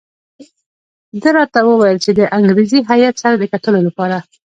ده راته وویل چې د انګریزي هیات سره د کتلو لپاره.